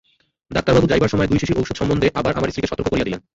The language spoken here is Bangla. ডাক্তারবাবু যাইবার সময় দুই শিশি ঔষধ সম্বন্ধে আবার আমার স্ত্রীকে সতর্ক করিয়া দিলেন।